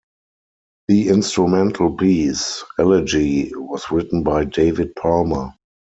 The instrumental piece "Elegy" was written by David Palmer.